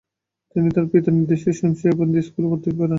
তিনি তার পিতার নির্দেশে শেমসি এফেন্দি স্কুলে অধ্যয়ন করেন।